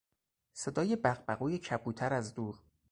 صدای بغبغوی کبوتر از دور